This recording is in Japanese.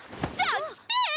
じゃあ来て！